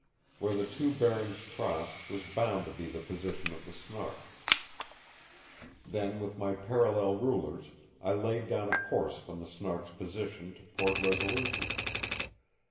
Where the two bearings crossed was bound to be the position of the Snark. Then, with my parallel rulers, I laid down a course from the Snark's position to Port Resolution.